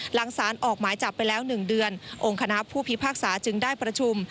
หลังสารออกหมายจับไปแล้ว๑เดือนองค์คณะผู้พิพากษาจึงได้ประชุม